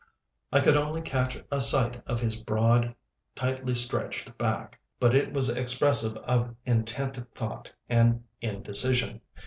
I could only catch a sight of his broad, tightly stretched back, but it was expressive of intent thought, and indecision.